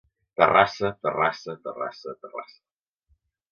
Terrassa, Terrassa, Terrassa, Terrassa.